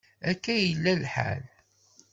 Akka ay yella lḥal.